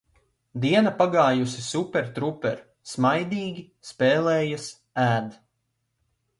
Diena pagājusi super truper - smaidīgi, spēlējas, ēd.